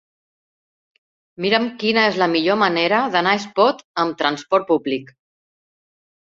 Mira'm quina és la millor manera d'anar a Espot amb trasport públic.